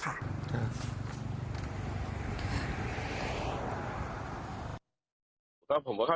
คนที่ใส่เชื้อบอกว่า